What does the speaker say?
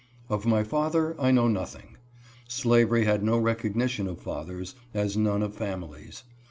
Of my father I know nothing. Slavery had no recog nition of fathers, as none of families.